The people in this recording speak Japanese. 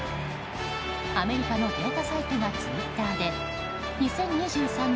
アメリカのデータサイトがツイッターで２０２３年